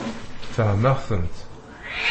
Fehmeɣ-tent.